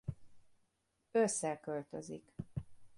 Ősszel költözik.